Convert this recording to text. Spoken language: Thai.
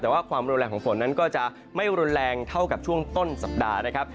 แต่ว่าความรุนแรงของฝนนั้นก็จะไม่รุนแรงเท่ากับช่วงต้นสัปดาห์นะครับ